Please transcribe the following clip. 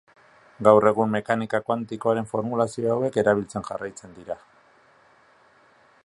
Gaur egun, mekanika kuantikoaren formulazio hauek erabiltzen jarraitzen dira.